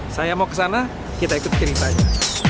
saya mau ke sana kita ikut ceritanya